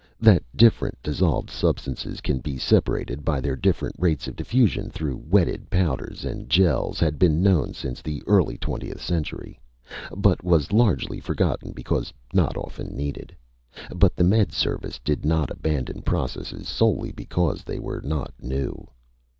That different dissolved substances can be separated by their different rates of diffusion through wetted powders and geles had been known since the early twentieth century, but was largely forgotten because not often needed. But the Med Service did not abandon processes solely because they were not new.